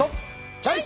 チョイス！